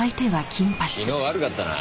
昨日悪かったな。